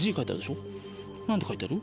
何て書いてある？